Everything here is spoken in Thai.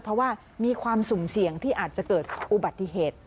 เพราะว่ามีความสุ่มเสี่ยงที่อาจจะเกิดอุบัติเหตุ